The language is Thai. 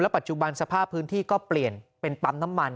ปัจจุบันสภาพพื้นที่ก็เปลี่ยนเป็นปั๊มน้ำมัน